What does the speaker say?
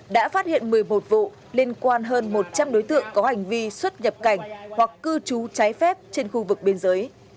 đã phát hiện một mươi một vụ liên quan hơn một trăm linh đối tượng có hành vi xuất nhập cảnh hoặc cư trú trái phép trên khu vực biên giới